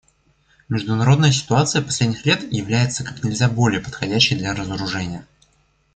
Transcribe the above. Международная ситуация последних лет является как нельзя более подходящей для разоружения.